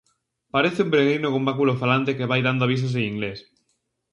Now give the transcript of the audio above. Parece un peregrino cun báculo falante, que vai dando avisos en inglés.